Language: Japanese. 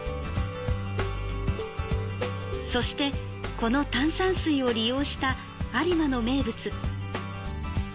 そして、この炭酸水を利用した有馬の名物。